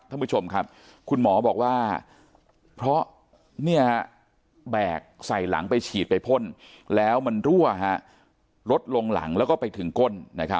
ท่านผู้ชมครับคุณหมอบอกว่าเพราะแบกใส่หลังไปฉีดไปพ่นแล้วมันรั่วลดลงหลังแล้วก็ไปถึงก้น